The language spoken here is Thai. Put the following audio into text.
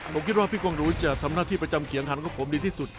ผมคิดว่าพี่กงหนูจะทำหน้าที่ประจำเขียนคันของผมดีที่สุด